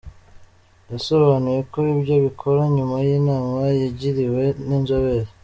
Yasobanuye ko ibyo abikora nyuma yinama yagiriwe ninzobere.